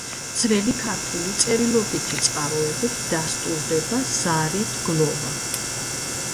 ძველი ქართული წერილობითი წყაროებით დასტურდება ზარით გლოვა.